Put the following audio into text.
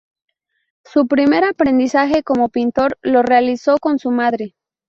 Su primer aprendizaje como pintor lo realizó con su madre.